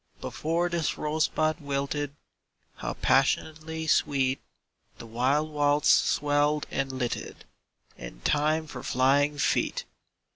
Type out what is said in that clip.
Before this rosebud wilted, How passionately sweet The wild waltz swelled and lilted In time for flying feet!